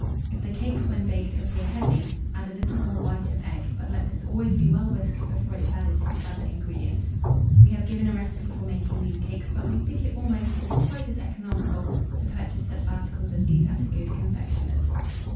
If the cakes, when baked, appear heavy, add a little more white of egg, but let this always be well whisked before it is added to the other ingredients. We have given a recipe for making these cakes, but we think it almost or quite as economical to purchase such articles as these at a good confectioner's.